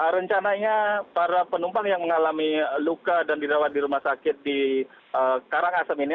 rencananya para penumpang yang mengalami luka dan dirawat di rumah sakit di karangasem ini